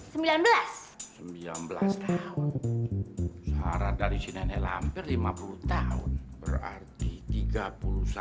tapi kenapa ternyata again jadi kond fabrics